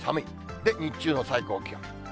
で、日中の最高気温。